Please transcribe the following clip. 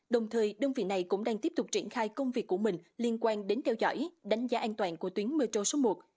đồng thời đơn vị này cũng đang tiếp tục triển khai công việc của mình liên quan đến theo dõi đánh giá an toàn của tuyến metro số một